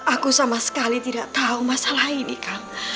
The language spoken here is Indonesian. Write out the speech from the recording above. aku sama sekali tidak tahu masalah ini kan